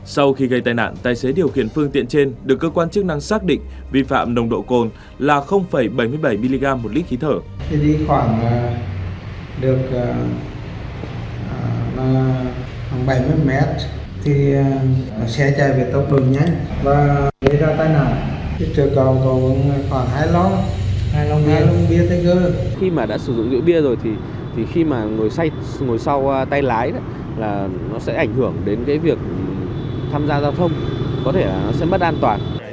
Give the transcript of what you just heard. sau khi gây tai nạn tài xế điều khiển phương tiện trên được cơ quan chức năng xác định vi phạm nồng độ cồn là bảy mươi bảy mg một lít khí thở